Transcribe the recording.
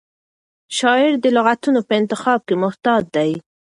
شاعر د لغتونو په انتخاب کې محتاط دی.